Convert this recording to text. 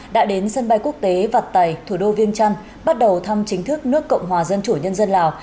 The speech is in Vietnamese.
đã đến sân bay quốc tế vặt tày thủ đô viêng trăn bắt đầu thăm chính thức nước cộng hòa dân chủ nhân dân lào